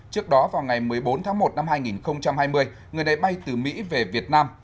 trước đó vào ngày một mươi bốn tháng một năm hai nghìn hai mươi người này bay từ mỹ về việt nam